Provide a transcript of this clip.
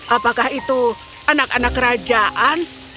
apakah itu anak anak kerajaan